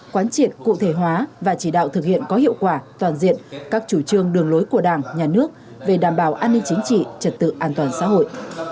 quán triệt cụ thể hóa và chỉ đạo thực hiện có hiệu quả toàn diện các chủ trương đường lối của đảng nhà nước về đảm bảo an ninh chính trị trật tự an toàn xã hội